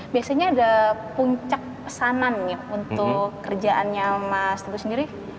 biasanya ada puncak pesanan untuk kerjaannya mas teguh sendiri